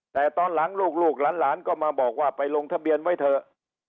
แต่ตอนหลังลูกหลานก็มาบอกว่าไปลงทะเบียนไว้เถอะ